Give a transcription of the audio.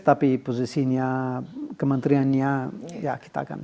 tapi posisinya kementeriannya ya kita akan